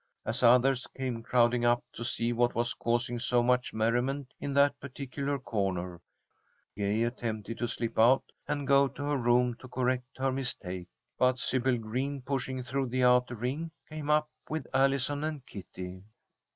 As others came crowding up to see what was causing so much merriment in that particular corner, Gay attempted to slip out and go to her room to correct her mistake. But Sybil Green, pushing through the outer ring, came up with Allison and Kitty.